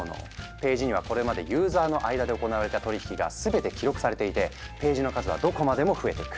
ページにはこれまでユーザーの間で行われた取引が全て記録されていてページの数はどこまでも増えていく。